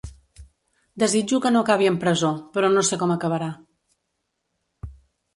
Desitjo que no acabi amb presó, però no sé com acabarà.